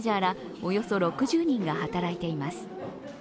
およそ６０人が働いています。